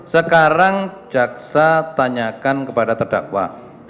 sekarang jaksa tanyakan kepada terdakwa